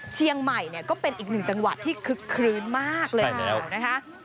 เชียงใหม่เนี่ยก็เป็นอีกหนึ่งจังหวัดที่คึกคลื้นมากเลยนะคะ